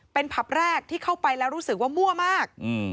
เป็นผับแรกที่เข้าไปแล้วรู้สึกว่ามั่วมาก